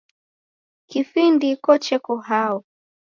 Kifindiko cheko hao?